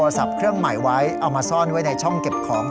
เครื่องใหม่ไว้เอามาซ่อนไว้ในช่องเก็บของ